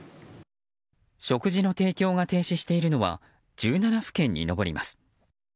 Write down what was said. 食事の提供が停止しているのは１７府県に上ります。